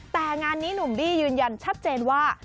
แต่งานนี้หนุ่มบี้ยืนยันชัดเจนว่า